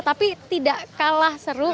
tapi tidak kalah seru